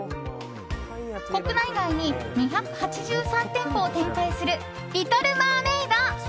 国内外に２８３店舗を展開するリトルマーメイド。